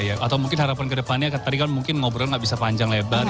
atau mungkin harapan kedepannya tadi kan mungkin ngobrol nggak bisa panjang lebar